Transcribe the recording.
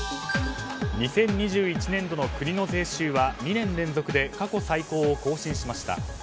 ２０２１年度の国の税収は２年連続で過去最高を更新しました。